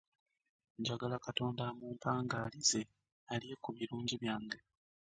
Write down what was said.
Njagala Katonda amumpaangalize alye ku birungi byange.